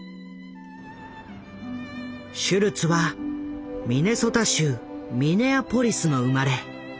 シュルツはミネソタ州ミネアポリスの生まれ。